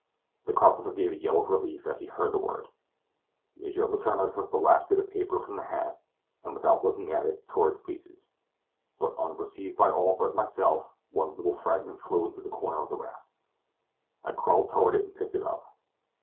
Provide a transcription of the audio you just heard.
The carpenter gave a yell of relief as he heard the word. M. Letourneur took the last bit of paper from the hat, and, without looking at it, tore it to pieces. But, unperceived by all but myself, one little fragment flew into a corner of the raft. I crawled toward it and picked it up.